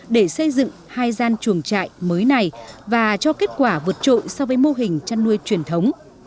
để xây dựng hai gian chuồng trại mới này và cho kết quả vượt trội so với mô hình chăn nuôi truyền thống